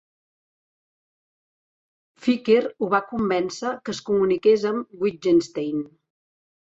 Ficker ho va convèncer que es comuniqués amb Wittgenstein.